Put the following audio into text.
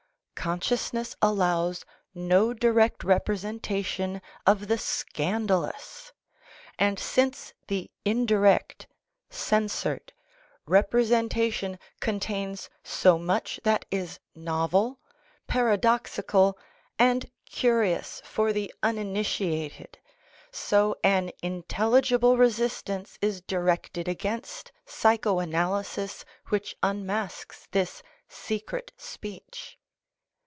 Consciousness allows no direct representation of the scandalous and since the indirect (censored) representation contains so much that is novel, para doxical and curious for the uninitiated, so an intelligible resist ance is directed against psycho analysis which unmasks this secret speech.